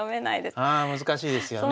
ああ難しいですよね。